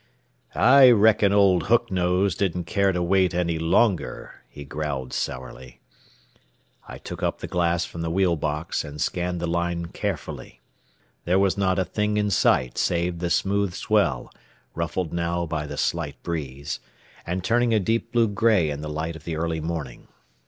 "I reckon old hook nose didn't care to wait any longer," he growled sourly. I took up the glass from the wheel box, and scanned the line carefully. There was not a thing in sight save the smooth swell, ruffled now by the slight breeze, and turning a deep blue gray in the light of the early morning.